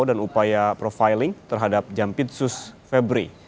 upaya profiling terhadap jampitsus febri